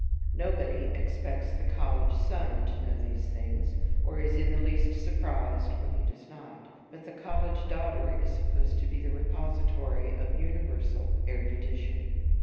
Nobody expects the college son to know these things, or is in the least surprised when he does not; but the college daughter is supposed to be the repository of universal erudition.